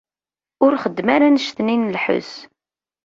Ur xeddem ara annect-nni n lḥess!